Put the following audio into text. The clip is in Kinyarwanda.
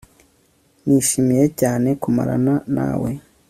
Nishimiye cyane kumarana nawe